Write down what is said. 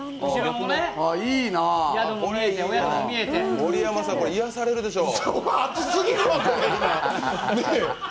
盛山さん、これ癒やされるでしょう。